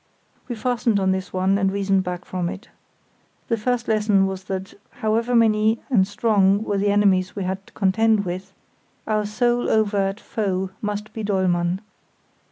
We fastened on this one and reasoned back from it. The first lesson was that, however many and strong were the enemies we had to contend with, our sole overt foe must be Dollmann.